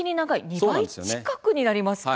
２倍近くになりますか。